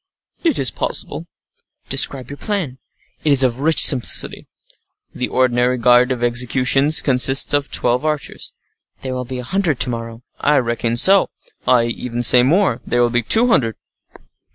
"It is possible." "Describe your plan." "It is of rich simplicity. The ordinary guard at executions consists of twelve archers." "There will be a hundred to morrow." "I reckon so. I even say more—there will be two hundred."